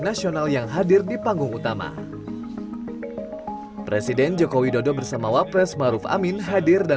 nasional yang hadir di panggung utama presiden joko widodo bersama wapres maruf amin hadir dan